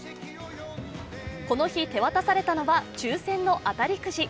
この日、手渡されたのは抽選の当たりくじ。